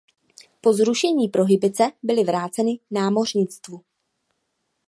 Po zrušení prohibice byly vráceny námořnictvu.